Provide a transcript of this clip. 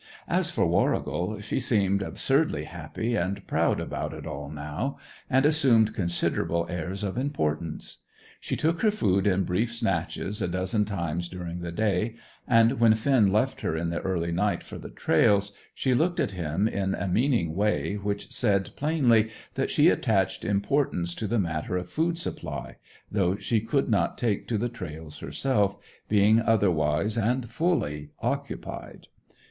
As for Warrigal, she seemed absurdly happy and proud about it all now, and assumed considerable airs of importance. She took her food in brief snatches a dozen times during the day, and when Finn left her in the early night for the trails, she looked at him in a meaning way which said plainly that she attached importance to the matter of food supply, though she could not take to the trails herself, being otherwise and fully occupied.